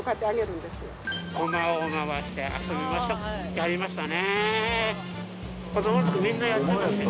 やりましたね。